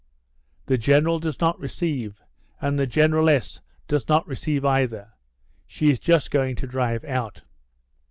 "The general does not receive, and the generaless does not receive either. She is just going to drive out."